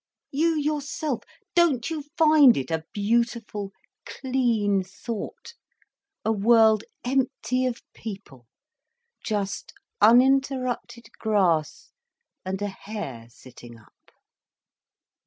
You yourself, don't you find it a beautiful clean thought, a world empty of people, just uninterrupted grass, and a hare sitting up?"